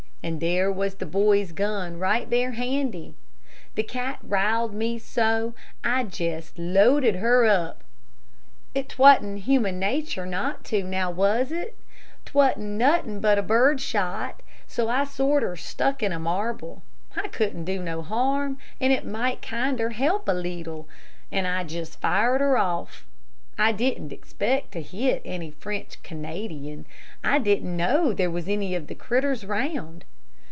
And there was the boy's gun right there handy. The cat riled me so, I jest loaded her up. 'T wa'n't in human natur' not to, now was it? 'T wa'n't nothin' but bird shot, so I sorter stuck in a marble. It couldn't do no harm, and it might kinder help a leetle. And I just fired her off. I didn't expect to hit any French Canadian; I didn't know there was any of the critters round.